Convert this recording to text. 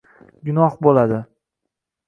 Gunoh bo‘ladi.